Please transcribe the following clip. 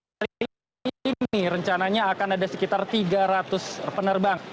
sekarang saja hari ini rencananya akan ada sekitar tiga ratus penerbangan